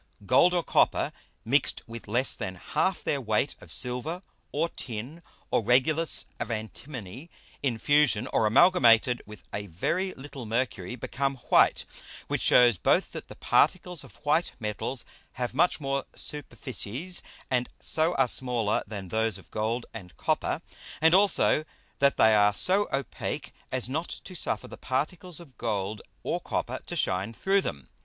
Gold, or Copper mix'd with less than half their Weight of Silver, or Tin, or Regulus of Antimony, in fusion, or amalgamed with a very little Mercury, become white; which shews both that the Particles of white Metals have much more Superficies, and so are smaller, than those of Gold and Copper, and also that they are so opake as not to suffer the Particles of Gold or Copper to shine through them.